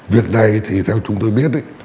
việc này thì theo chúng tôi biết